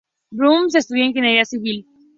Burns estudió Ingeniería civil.